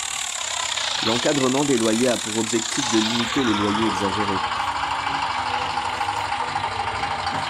L’encadrement des loyers a pour objectif de limiter les loyers exagérés.